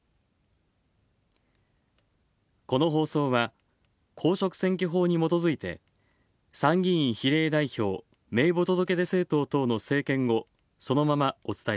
この放送は、公職選挙法にもとづいて参議院比例代表名簿届出政党等の政見をそのままお伝えしました。